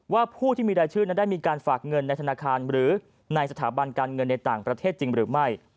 ผู้ที่มีรายชื่อนั้นได้มีการฝากเงินในธนาคารหรือในสถาบันการเงินในต่างประเทศจริงหรือไม่